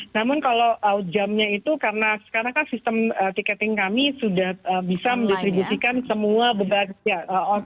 namun kalau jamnya itu karena sekarang kan sistem tiketing kami sudah bisa mendistribusikan semua beban